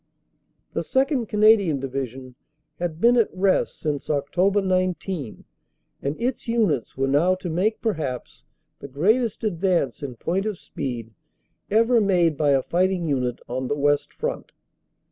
The 2nd. Canadian Division had been at rest since Oct. 19 and its units were now to make perhaps the greatest ad vance in point of speed ever made by a fighting unit on the West Front.